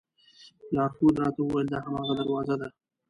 لارښود راته وویل دا هماغه دروازه ده.